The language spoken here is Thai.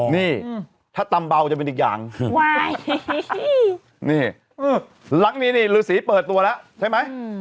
นี่อืมถ้าตำเบาจะเป็นอีกอย่างว้ายนี่อืม